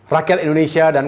rakyat indonesia dan